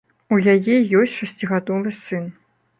У яе ёсць шасцігадовы сын.